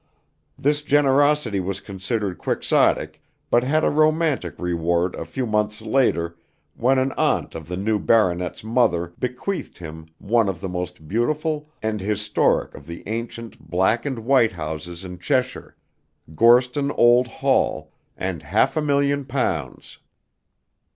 This generosity was considered quixotic, but had a romantic reward a few months later when an aunt of the new baronet's mother bequeathed him one of the most beautiful and historic of the ancient black and white houses in Cheshire, Gorston Old Hall, and half a million pounds.